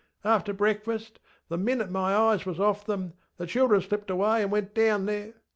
After breakfast, the minute my eyes was off them, the children slipped away and went down there.